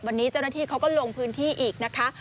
วันนี้เจ้าหน้าที่เขาก็ลงพื้นที่อีกนะคะ